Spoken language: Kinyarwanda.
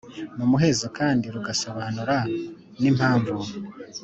Mu muhezo kandi rugasobanura n impamvu